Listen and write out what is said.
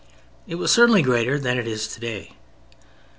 It was certainly greater than it is today.